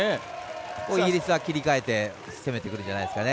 イギリスは切り替えて攻めてくるんじゃないですかね。